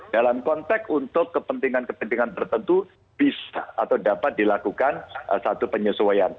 dalam konteks untuk kepentingan kepentingan tertentu bisa atau dapat dilakukan satu penyesuaian